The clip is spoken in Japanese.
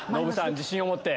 自信を持って。